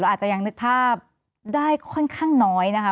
อาจจะยังนึกภาพได้ค่อนข้างน้อยนะคะ